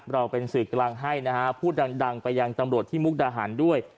เราเป็นสื่อกลางให้นะฮะพูดดังไปยังตำรวจที่มุกดาหารด้วย